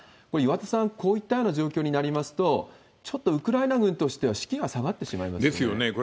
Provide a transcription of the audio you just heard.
これ、岩田さん、こういったような状況になりますと、ちょっとウクライナ軍としては士気が下がってしまいますよね？